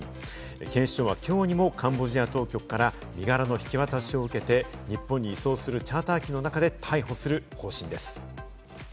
警視庁は今日にもカンボジア当局から身柄の引き渡しを受けて、日本に移送するチャーター機の中で逮捕する方針です。